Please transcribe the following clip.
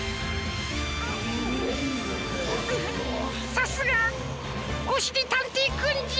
さすがおしりたんていくんじゃ。